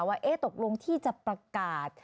ว่าตกลงที่จะประกาศ